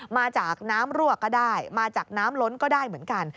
มาจากน้ำรั่วก็ได้มาจากน้ำล้นก็ได้เหมือนกัน